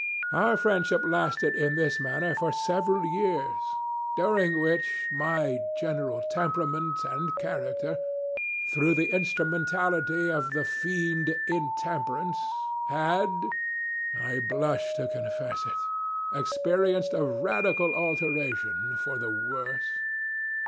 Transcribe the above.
Our friendship lasted, in this manner, for several years, during which my general temperament and characterŌĆöthrough the instrumentality of the Fiend IntemperanceŌĆöhad (I blush to confess it) experienced a radical alteration for the worse.